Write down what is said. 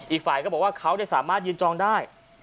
อีกฝ่ายก็บอกว่าเขาสามารถยืนจองได้